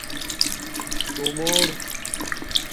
تُݸمُور